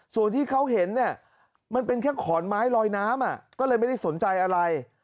ส่วนที่เขาเห็นเนี่ยมันเป็นแค่ขอนไม้ลอยน้ำก็เลยไม่ได้สนใจอะไร